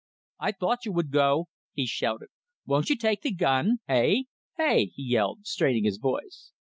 "I thought you would go," he shouted. "Won't you take the gun? Hey?" he yelled, straining his voice.